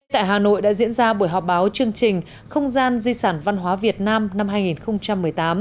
tại hà nội đã diễn ra buổi họp báo chương trình không gian di sản văn hóa việt nam năm hai nghìn một mươi tám